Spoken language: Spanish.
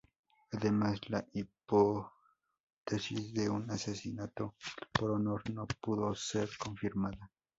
Además, la hipótesis de un asesinato por honor no pudo ser confirmada.